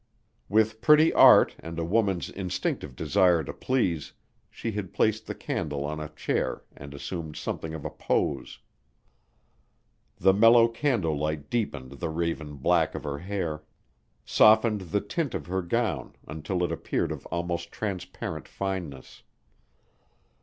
With pretty art and a woman's instinctive desire to please, she had placed the candle on a chair and assumed something of a pose. The mellow candle light deepened the raven black of her hair, softened the tint of her gown until it appeared of almost transparent fineness.